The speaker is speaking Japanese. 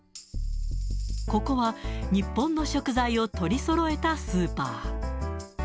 ここは日本の食材を取りそろえたスーパー。